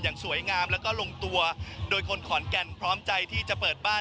อย่างสวยงามแล้วก็ลงตัวโดยคนขอนแก่นพร้อมใจที่จะเปิดบ้าน